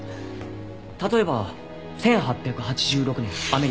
例えば１８８６年アメリカ。